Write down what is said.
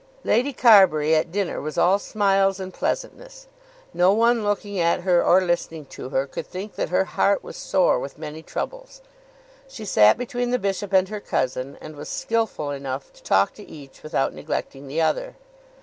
Lady Carbury at dinner was all smiles and pleasantness. No one looking at her, or listening to her, could think that her heart was sore with many troubles. She sat between the bishop and her cousin, and was skilful enough to talk to each without neglecting the other.